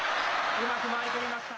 うまく回り込みました。